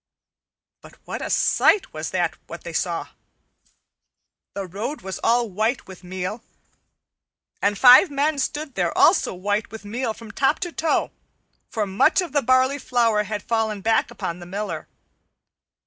But what a sight was that which they saw! The road was all white with meal, and five men stood there also white with meal from top to toe, for much of the barley flour had fallen back upon the Miller.